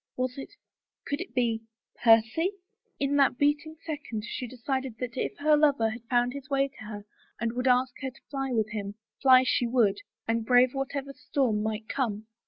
Was it — could it be — Percy ? In that beating second, she decided that if her lover had found his way to her and would ask her to fly with him, fly she would, and brave whatever storm might come.